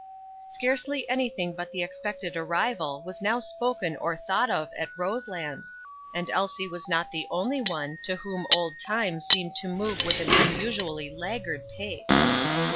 Scarcely anything but the expected arrival was now spoken or thought of at Roselands, and Elsie was not the only one to whom old Time seemed to move with an unusually laggard pace.